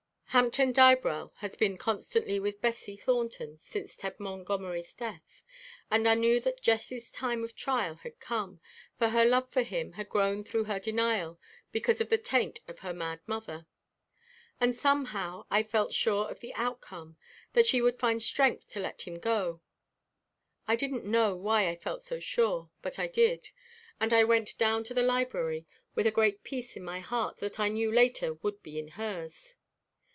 Hampton Dibrell has been constantly with Bessie Thornton since Ted Montgomery's death, and I knew that Jessie's time of trial had come, for her love for him had grown through her denial because of the taint of her mad mother. And somehow I felt sure of the outcome, that she would find strength to let him go. I didn't know why I felt so sure; but I did, and I went down to the library with a great peace in my heart that I knew later would be in hers.